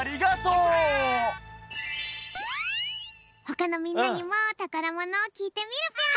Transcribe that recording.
ほかのみんなにもたからものをきいてみるぴょん！